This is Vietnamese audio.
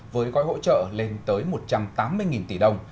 với gói hỗ trợ lên tới một trăm tám mươi tỷ đồng